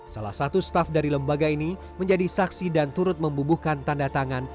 salah satu staff dari lembaga ini menjadi saksi dan turut membubuhkan tanda tangan